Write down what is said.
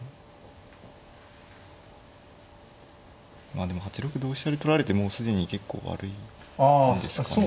まあでも８六同飛車で取られてもう既に結構悪いんですかね。